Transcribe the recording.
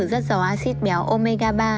rất giàu acid béo omega ba